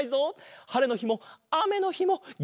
はれのひもあめのひもげんきなんだ！